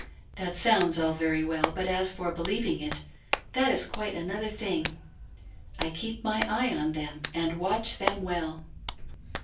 That sounds all very well, but as for believing it, that is quite another thing :— I keep my eye on them and watch them well."